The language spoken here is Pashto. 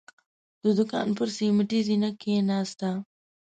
د دوکان پر سيميټي زينه کېناسته.